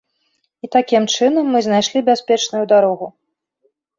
І такім чынам мы знайшлі бяспечную дарогу.